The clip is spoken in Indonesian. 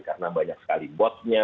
karena banyak sekali botnya